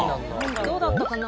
どうだったかな？